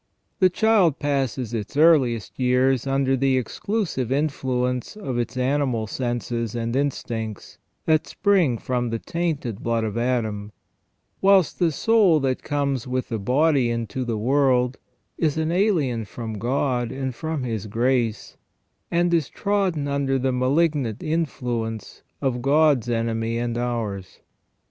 The child passes its earliest years under the exclusive influence of its animal senses and instincts, that spring from the tainted blood of Adam, whilst the soul that comes with the body into the world is an alien from God and from His grace, and is trodden under the malignant influence of God's enemy and ours.